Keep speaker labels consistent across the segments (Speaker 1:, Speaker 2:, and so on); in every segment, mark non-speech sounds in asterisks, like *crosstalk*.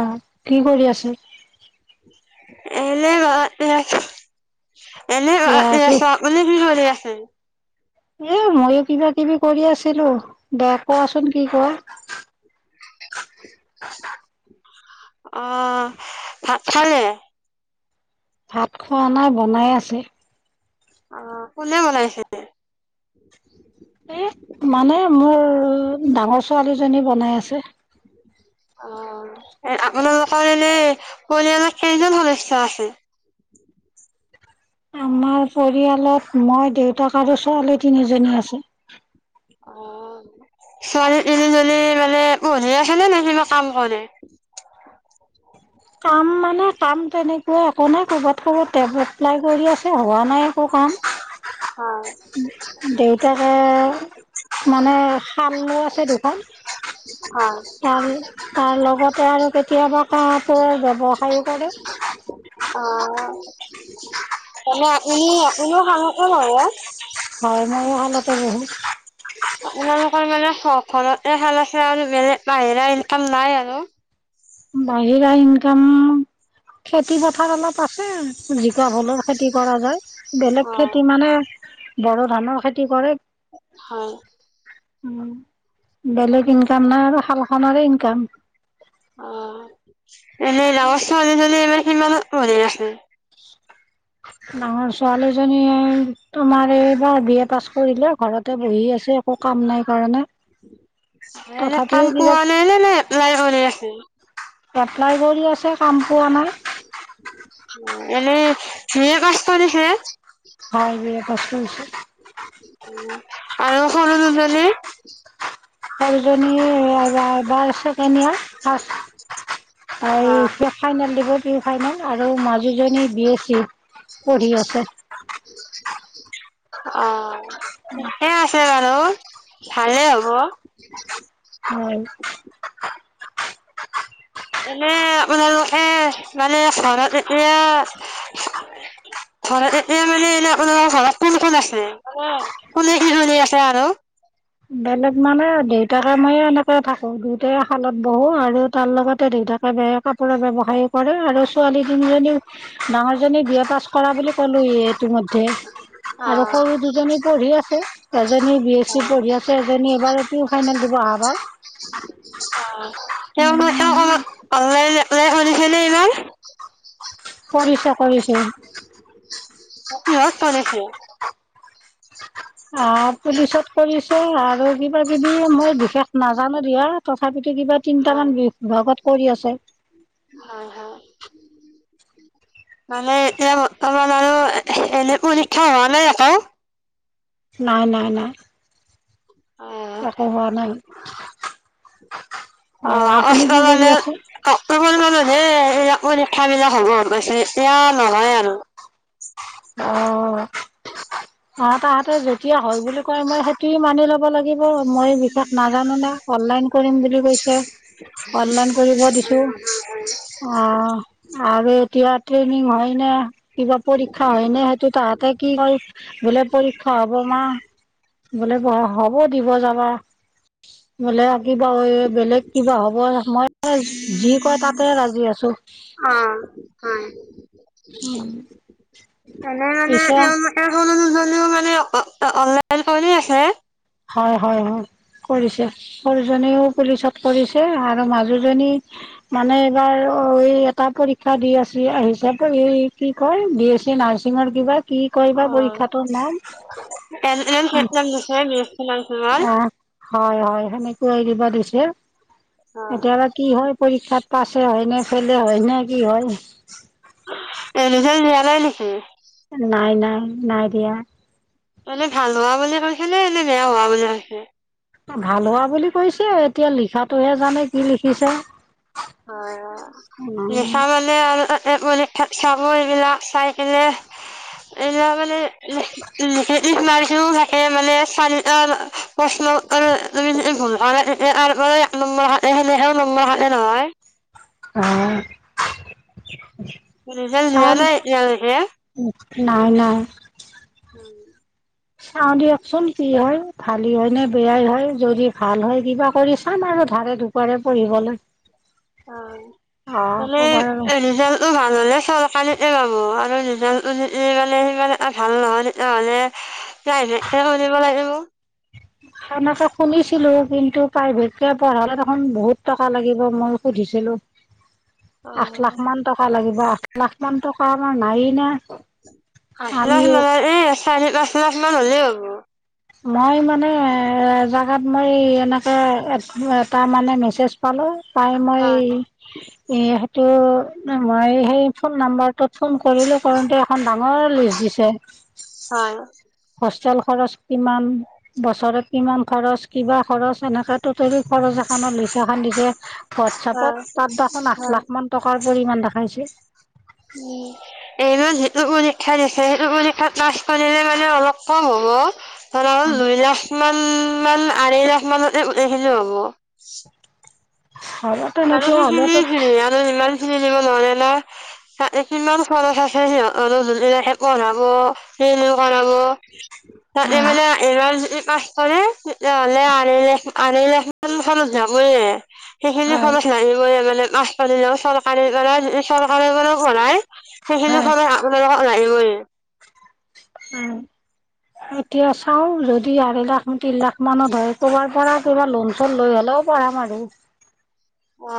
Speaker 1: অ কি কৰি আছো?
Speaker 2: এনে ৰাস্তাত। এনে আ
Speaker 1: এ কি
Speaker 2: চা আপুনি কি কৰি আছে?
Speaker 1: এ মইো কিবা কিবি কৰি আছিলো, বেয়া কোৱাচোন কি কোৱা? *inaudible*
Speaker 2: অ, ভাত খালে।
Speaker 1: ভাত খোৱা নাই বনাই আছে।
Speaker 2: আহ, কোনে বনাইছে?
Speaker 1: এ মানে মোৰ ডাঙৰ ছোৱালীজনী বনাই আছে।
Speaker 2: অ, এ আপোনালোকৰ এনে পৰিয়ালৰ কেইজন সদস্য আছে?
Speaker 1: আমাৰ পৰিয়ালত মই, দেউতাক আৰু ছোৱালী তিনিজনী আছে।
Speaker 2: অ, ছোৱালী তিনি জনী মানে পঢ়িয়ে আছে নে নে কিবা কাম কৰে?
Speaker 1: কাম মানে কাম তেনেকুৱা একো নাই কৰ'বাত কৰবাত টেবত- এপ্লাই কৰি আছে হোৱা নাই একো কাম,
Speaker 2: হয়,
Speaker 1: দেউতাকে মানে শালো আছে দুখন
Speaker 2: হয়,
Speaker 1: তাৰ তাৰ লগতা আৰু কেতিয়াবা কাপোৰৰ ব্যৱসায়ো কৰে।
Speaker 2: অ মানে আপুনি আপুনিও খাল কোন হয় বাও।
Speaker 1: হয় মইো ভালতে বহু
Speaker 2: আপোনালোকৰ মানে হওক ঘৰতে এ খেলা খেল আৰু বেলেগ বাহিৰা এনেকাম নাই আৰু।
Speaker 1: বাহিৰা ইনকাম খেতি পথাৰ অলপ আছে। উ জিকা হলৰ খেতি কৰা যায় বেলেগ
Speaker 2: অ',
Speaker 1: খেতি মানে। বড়ো ধানৰ খেতি কৰে।
Speaker 2: হয়।
Speaker 1: উম। বেলেগ ইনকাম নাই আৰু খালা আমাৰ ইনকাম
Speaker 2: অ এনে লগৰ ছোৱালী এবাৰ। কিমানত পঢ়ি আছে।
Speaker 1: ডাঙৰ ছোৱালীজনীয়ে তোমাৰ এইবাৰ বি এ পাছ কৰিলে ঘৰতে বহি আছে একো কাম নাই কাৰণে।
Speaker 2: এনে কাম
Speaker 1: তথাপিও কিবা
Speaker 2: পোৱা নাই নে এপলাই কৰি আছা। উম।
Speaker 1: এপ্লাই কৰি আছে। কাম পোৱা নাই।
Speaker 2: এনেই সেয়ে কষ্ট দিছে।
Speaker 1: হয় যে। বচছো
Speaker 2: আৰু সৰু দুজনী।
Speaker 1: হয়। বাৰ ছেকেণ্ড ইয়াৰ ফাৰ্ষট এই ফাইনেল দিব প্ৰিমি ফাইনেল আৰু মাজুজনী বি এছ চি। পঢ়ি আছে।
Speaker 2: অহ। ঠিকে আছে বাৰু। ভালে হব।
Speaker 1: হয়।
Speaker 2: এনে আপোনাৰ লোকে এ মানে ঘৰত এতিয়া ঘৰত এতিয়া মানে এনে আপোনাৰ ঘৰত কোন কোন আছে কোনে কি চলি আছে আৰু
Speaker 1: বেলেগ মানে দেউতাকে মইে এনেকে থাকো দেউতাই শালত বহো আৰু তাৰ লগতে দেউতাকে বে কাপোৰৰ ব্য়ৱসায় কৰে আৰু ছোৱালী দুজনীও। ডাঙৰজনী বি এ পাছ কৰা বুলি কলো ই ইতিমধ্যে আৰু
Speaker 2: অ'
Speaker 1: সৰু দুজনী পঢ়ি আছে। জনী বি এছি পঢ়ি
Speaker 2: অ
Speaker 1: আছে এজনী এবাৰ প্ৰি ফাইনেল দিব অহাবাৰ
Speaker 2: তেওঁ মোৰ। খেল খনত ভাল লাগিলে
Speaker 1: *inaudible* *unintelligible*
Speaker 2: তাকে
Speaker 1: কৰিছে কৰিছে
Speaker 2: কিহত কৰিছে?
Speaker 1: অ পুলিচত কৰিছে আৰু কিবা কিবি মই বিশেষ নাজানো দিয়া তথাপিত কিবা
Speaker 2: হয়
Speaker 1: তিনটামান বি ভাগত কৰি আছে।
Speaker 2: হয় হয়। মানে এতিয়া বৰ্তমান এনে পৰীক্ষা হোৱা নাই আকৌ
Speaker 1: নাই নাই নাই একো হোৱা নাই *inaudible*
Speaker 2: অহ
Speaker 1: অ' আপুনি
Speaker 2: আগষ্ট
Speaker 1: কি কৰি
Speaker 2: মানে
Speaker 1: আছে
Speaker 2: অক্টোবৰত মানত হে এইবিলাক পৰীক্ষা পৰীক্ষা বিলাক হব পাইছে এতিয়া নহয় আৰু
Speaker 1: অহ অ তাহাঁতে যেতিয়া এতিয়া হয় বুলি কয় মই সেইটোয়ে মানি ল লাগিব মই বিশেষ নাজানো না অনলাইন কৰিম বুলি কৈছে অনলাইন কৰিব দিছো আ আৰু এতিয়া ট্ৰেইনিং হয় নে কিবা পৰীক্ষা হয় নে সেইটো তাহতে কি হয় বোলে পৰীক্ষা হব মা বোলে পঢ়া হ'ব দিব যাবা। অ বোলে কিবা ঐ বেলেগ কিবা হব মই যি কয় তাতে ৰাজি আছো।
Speaker 2: অ হয় *inaudible* এনে মানে
Speaker 1: পিছে
Speaker 2: তেওঁলোক অ মানে অ অ অনলাইন কৰি আছে
Speaker 1: হয় হয় হয় কৰিছে সৰুজনীও পুলিচত কৰিছে তে আৰু মাজুজনী মানে এইবাৰ এই এটা পৰীক্ষা দি আছে হিচাপ এই কি কয় বি এছ চি নাৰ্চিঙৰ কিবা কি কয় বা
Speaker 2: অ
Speaker 1: পৰীক্ষাটোৰ নাম
Speaker 2: খনেই হেক লাগি আছে বে
Speaker 1: অ হয় হয় সেনেকুৱা এৰিবা দিছে এতিয়াবা কি হয় পৰীক্ষাত পাছে হয় না, ফেলে হয় না কি হয়?
Speaker 2: এ ৰিজাল দিয়া নাই নেকি?
Speaker 1: নাই- নাই- নাই, দিয়া',
Speaker 2: মানে, ভাল হোৱা বুলি ভাবিছে, নে বেয়া হোৱা বুলি ভাবিছে?
Speaker 1: ভাল হোৱা বুলি কৈছে এতিয়া লিখাটোহে জানে কি লিখিছে?
Speaker 2: অ', লিখা মানে আৰু ক'ত', পৰীক্ষা চাব এইবিলাক চাই পিনে, এইবিলাক *unintelligible* টিক মাৰিছোঁ থাকে মানে চাৰিটা অ', প্ৰশ্ন উত্তৰ তুমি যদি ভুল কৰা নাই তেতিয়া তাৰ পৰাই এক নম্বৰ কাটে সেনেকাই নম্বৰ কাটে নহয়',
Speaker 1: উম।
Speaker 2: ৰিজাল দিয়া নাই এতিয়া লৈকে,
Speaker 1: নাই নাই
Speaker 2: হুম',
Speaker 1: চাওঁ দিয়কচোন কি হয় ভালেই হয় নে বেয়াই হয় যদি ভাল হয় কিবা কৰি চাম আৰু ধাৰে দুপাৰে পঢ়িবলৈ',
Speaker 2: অঁ
Speaker 1: অ'
Speaker 2: মালে
Speaker 1: ক'বাৰ আৰু
Speaker 2: ৰিজাল্টটো ভাল হ'লে চৰকাৰীতে পাব আৰু ৰিজালটটো যদি মানে সিমানে ভাল নহয় তেতিয়াহলে প্ৰাইভেটকে কৰিব লাগিব।
Speaker 1: সেনেকে শুনিছিলোঁ। কিন্তু প্ৰাইভেটকে পঢ়ালে দেখোন বহুত টকা লাগিব, মই সুধিছিলোঁ। আঠ
Speaker 2: অ',
Speaker 1: লাখ মান টকা লাগি লাখ লাখ মান টকা আমাৰ নায়েই না।
Speaker 2: *unintelligible*
Speaker 1: আমি
Speaker 2: চাৰি পাঁচ লাখ মান হ'লেই হ'ব।
Speaker 1: মই মানে জাগাত মই এনেকে এটা মানে মেছেজ পালোঁ। পাই মই
Speaker 2: হয়,
Speaker 1: এই সেইটো মই সেই ফোন নাম্বাৰটোত ফোন কৰিলোঁ, কৰোতে এখন ডাঙৰ লিষ্ট দিছে।
Speaker 2: হয়,
Speaker 1: হোষ্টেল খৰচ কিমান বছৰত কিমান খৰচ কিবা খৰচ এনেকা টোটেলি খৰচ এনৰ লিষ্ট এখন দিছে,
Speaker 2: হয়,
Speaker 1: হোৱাটছআপত তাত দেখোন আঠ
Speaker 2: হয়।
Speaker 1: লাখ মান টকাৰ পৰিমাণ দেখাইছে।
Speaker 2: উম, এইমান যিটো পৰীক্ষা দিছে সেইটো পৰীক্ষাত পাছ কৰিলে মানে অলপ কম হ'ব। ধৰা দুই লাখ ইমান ইমান আঢ়ৈ লাখ মানুহ তে আহিলেও হ'ব। *unintelligible*
Speaker 1: হ'ব
Speaker 2: মানে
Speaker 1: তেনেকুৱা
Speaker 2: সেইখিনি
Speaker 1: হ'লেতো
Speaker 2: হে আৰু ইমান *unintelligible* কিমান খৰচ আছে সিহঁতনেকে পঢ়াব *unintelligible* কৰাব। তে
Speaker 1: হয়
Speaker 2: মানে এইবাৰ যদি পাছ কৰে তেতিয়া হ'লে আঢ়ৈ লাখ আঢ়ৈ লাখ মান যাবইয খত
Speaker 1: হয়
Speaker 2: লাগিবই মানে। মাছ পালেও চৰকাৰী পৰা চৰকাৰৰ পৰাও কৰাই সেইখিনি
Speaker 1: হয়
Speaker 2: সময়ত মানুহবিলাকে অ আহিবই।
Speaker 1: উ এতিয়া চাও যদি আঢ়ি লাখ তিনি লাখ মানত ধ হয় ক'ৰবাৰ পৰা কিবা লোন চন লৈ হ'লেও পঢ়াম আৰু।
Speaker 2: অ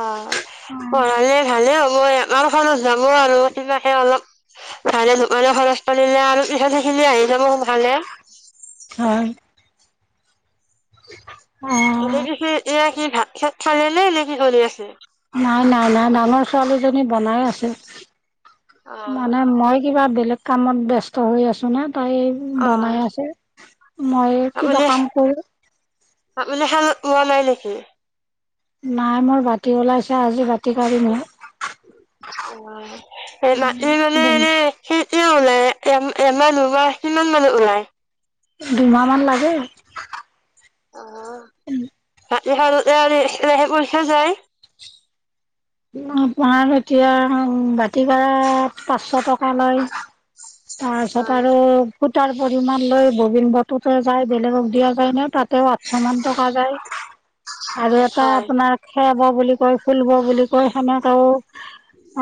Speaker 2: পঢ়ালে ভালে হ মই আমাৰ খৰচ যাব আৰু কিবাকে অলপ। ধাৰে ধোকানে খৰচ পৰিলে আৰু পিছত সেইখিনি আহি যাব সনকালে।
Speaker 1: হয়। *inaudible*
Speaker 2: এনে কি এয়া কি ধান খেতছৰে নে কি কৰি আছে?
Speaker 1: নাই, নাই, নাই, নানা আমাৰ ছোৱালীজনী বনাই আছে।
Speaker 2: অ',
Speaker 1: মানে মই কিবা বেলেগ কামত ব্যস্ত হৈ আছো না। তাই বনাই
Speaker 2: অ',
Speaker 1: আছে। মই কিবা কাম কৰিম
Speaker 2: আবুলে মানে শাল হোৱা নাই নেকি?
Speaker 1: নাই মোৰ বাতি ওলাইছে। আজি বাতি কাঢ়িম হে।
Speaker 2: অ মাট মানে এনে সেই *unintelligible* কি ওলাই এমমানোব কিমান মানত ওলায়?
Speaker 1: দুইমাহ মান লাগে।
Speaker 2: এহাৰ ৰেহাই পৰীক্ষা যায়
Speaker 1: আপোনাৰ এতিয়া বাতি কৰা পাঁচশ টকা লয়। তাৰপিছত
Speaker 2: হয়,
Speaker 1: আৰু তাৰ পৰিমাণ লৈ ববিন বতুতে যায়, বেলেগক দিয়া যায় ন তাতেও আঠছ মান টকা যায় আৰু এটা
Speaker 2: হয়।
Speaker 1: আপোনাৰ খে ব বুলি কয় ফুল ব বুলি ক *unintelligible* কৈ সেনেকে ও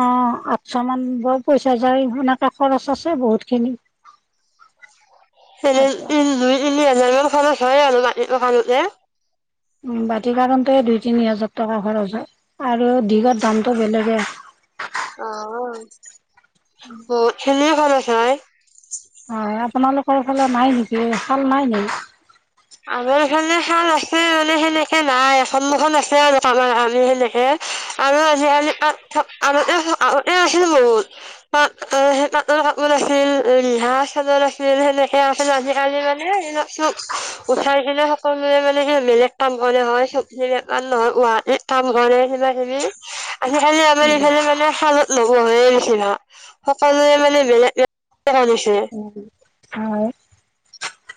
Speaker 1: অ আঠছ মান ব পইচা যায়। সেনেকে খৰচ আছে বহুত খিনি।
Speaker 2: এনে উ দুই তিনি হাজাৰত *unintelligible* হয় আৰু মাটি টো কাটোতে
Speaker 1: উ বাতি কাৰহুন্তে দুই তিনি হাজাৰ টকা খৰচ হয়। আৰু দিঘৰ দামটো বেলেগে।
Speaker 2: অহ। অ খেনে ভাল আ *unintelligible* ছয়
Speaker 1: হয় আপোনালোকৰ ফালে নাই নেকি? শাল নাই নে
Speaker 2: আমাৰফালে শাল আছে মানে সেনেকে নাই। সন্মুখন আছে আৰু আমাৰ আমি সেনেকে আৰু আজিকালি আমতে আগতে আছিল বহুত। প সেই পাটৰ কাপোৰ আছিল হা চাদৰ আছিল সেনেকে আছিল আজিকালি মানে এইবিলাক চব উঠাই কিনে সকলোৱে মানে বেলেগ কাম কৰে হয় চব নহয় গুৱাহাটীত কাম কৰে কিবা-কিবি আজি কালি আমাৰ এইফালে মানে শালত লগ পহ নিচিনা সকলোে মানে বেলেগ *unintelligible* কন এছে
Speaker 1: হয়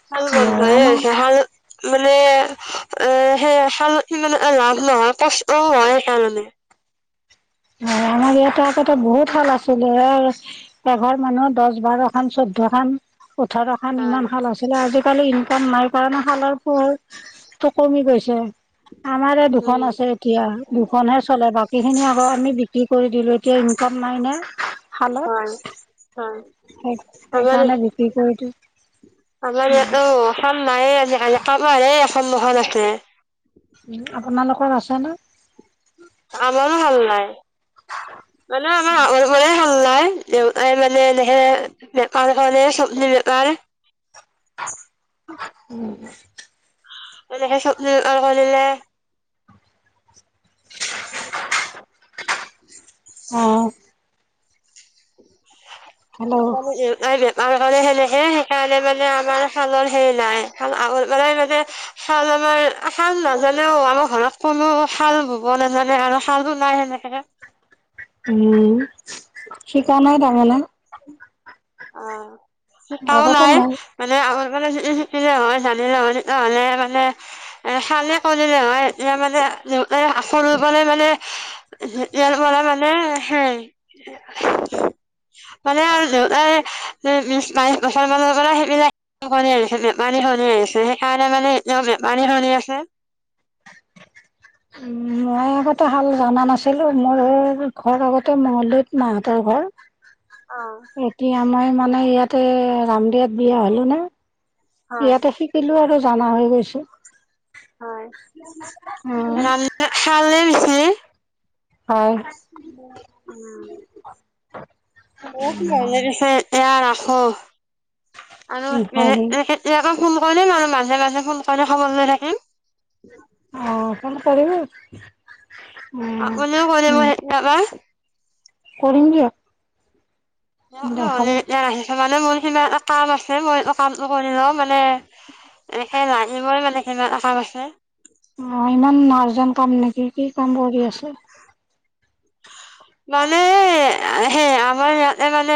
Speaker 2: ভাল বন্ধ
Speaker 1: আমাৰ
Speaker 2: *unintelligible* চহাল *unintelligible* মানে এ, সেইাল মানে লাভ নহয় কষ্ট হয় সেইকাৰণে।
Speaker 1: হয় আমাৰ ইয়াতে আকো বহুত শাল আছিলে এঘৰ মানুহ দহ বাৰ খন চৈধ্য খান *unintelligible* পঠাৰ এখনান ইমান
Speaker 2: হয়
Speaker 1: ভাল আছিলে আজি *unintelligible* কালি ইনকম নাই কৰা ন। ভালৰ ফুল। টো কমি গৈছে। আমাৰ এই দুখন
Speaker 2: উম
Speaker 1: আছে এতিয়া, দুখনহে চলে বাকী খিনি আগৰ। বিক্ৰী কৰি দিলো, এতিয়া ইনকাম নাই ন।
Speaker 2: হয় হয় আমাৰ
Speaker 1: সেইকাৰণে বিক্ৰী কৰি দিওঁ।
Speaker 2: আমাৰ ইয়াত অ অসম নাই আজিকালি কম *unintelligible* সমন্মহন আছে *unintelligible*
Speaker 1: *inaudible*
Speaker 2: আমাৰো ভাল নাই মানে আমাৰ আৰৰে ভ *unintelligible* ওলাই দোই মানে এনেহে বেকাৰ এ চব বেকাৰ *unintelligible*
Speaker 1: *inaudible*
Speaker 2: মে চপজী *unintelligible* আনিলে উ *unintelligible*
Speaker 1: অঁ। হেল্ল'
Speaker 2: লে হলে *unintelligible* সে সেইকাৰণে মানে আমাৰ চালৰ হেৰি নাই ল মানে মানে শাল আমাৰ *unintelligible* আশাল নাজ'লেও আমাৰ ঘৰত কোনো *unintelligible* হাল ব ব নাজানে আৰু শাল বোৰ নাই সেনেকে *unintelligible*
Speaker 1: উম শিকা নাই তাৰমানে *unintelligible*
Speaker 2: অ শিকাও
Speaker 1: আগতে
Speaker 2: নাই
Speaker 1: মই
Speaker 2: মানে আমাৰ মানে শিকিলে হয় জানিল মান *unintelligible* নহ'লে মানে এ খালে কৰিলে হয় এতিয়া মানে আখ ৰুবলৈ মানে *unintelligible* জল মৰা মানে হে *unintelligible* *inaudible* মালাল দে *unintelligible* মিছ মাই ক *unintelligible* সেইবিলাক *unintelligible* নি আহিছে মানী শনি আহিছে *unintelligible* সেইকাৰণে মানে এ বে মাৰী ধুন আছে।।
Speaker 1: উ মই আগতে হাল জানা নাছিলো, মোৰ ঘৰ আগতে মঙলদৈত মাহতৰ ঘৰ
Speaker 2: অ
Speaker 1: এতিয়া মই মানে ইয়াতে ৰামদেৱাত বিয়া হলো ন।
Speaker 2: হয়
Speaker 1: ইয়াতে শিকিলো আৰু জনা হৈ গৈছে।
Speaker 2: হয় খালে পিছে।
Speaker 1: হয়
Speaker 2: উম। *unintelligible* হ আৰু তেনেক ফোন
Speaker 1: হয় নি
Speaker 2: কৰিম আৰু মাজে মাজে ফোন কৰি খবৰ লৈ থাকিম।
Speaker 1: অ ফোন কৰিবি।
Speaker 2: আপুনিও কৰিব কেতিয়াবা।
Speaker 1: কৰিম দিয়ক
Speaker 2: ন ন
Speaker 1: দেখাব
Speaker 2: নান আহি মানে মোৰ সিমান এটা কাম আছে মই কামটো কৰি লওঁ মানে এনেকৈ ল মোৰ মানে সিমান এটা কাম আছে।
Speaker 1: অ ইমান আৰ্জেণ্ট কাম নেকি কি কাম কৰি আছে।
Speaker 2: মানে সেই আমাৰ ইয়াতে মানে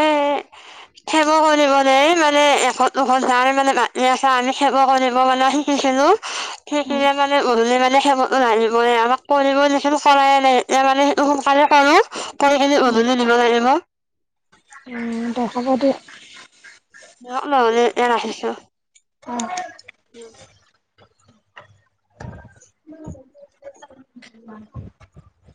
Speaker 2: খেৱ কৰিব দ মানে এখন দুখন ধাৰ মানে মাটি আছে আমি খেৱ কৰিব মানে শিকিছিলো। সেই কি
Speaker 1: উম
Speaker 2: মানে গধূলি মানে দেখ নিব আমাক কৰিব লখ কৰাইয় নাই এতিয়া মানে সেইটো সোনকালে কৰো। খৰি খিনি
Speaker 1: উম
Speaker 2: গধুলি নিব লাগে ম
Speaker 1: উম দেখব দিয়।
Speaker 2: তে ৰাখিছো।
Speaker 1: অ *inaudible*
Speaker 2: উম।
Speaker 1: হয়।